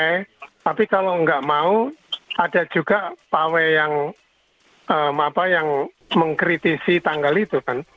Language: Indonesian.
tapi kalau nggak mau ada juga pawai yang mengkritisi tanggal itu kan